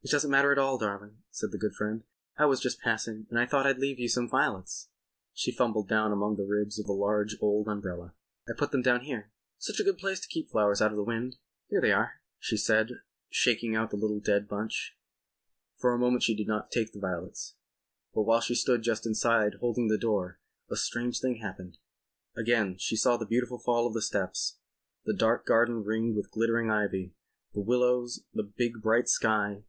It doesn't matter at all, darling," said the good friend. "I was just passing and I thought I'd leave you some violets." She fumbled down among the ribs of a large old umbrella. "I put them down here. Such a good place to keep flowers out of the wind. Here they are," she said, shaking out a little dead bunch. For a moment she did not take the violets. But while she stood just inside, holding the door, a strange thing happened. ... Again she saw the beautiful fall of the steps, the dark garden ringed with glittering ivy, the willows, the big bright sky.